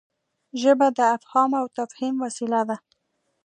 ژبه د افهام او تفهيم وسیله ده.